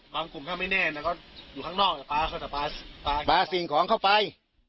บางกลุ่มเข้าไม่แน่อยู่ข้างนอกก็ปลาเข้าแต่ปลาสิ่งของเข้าไป